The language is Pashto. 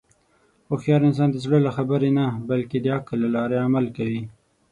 هوښیار انسان د زړه له خبرې نه، بلکې د عقل له لارې عمل کوي.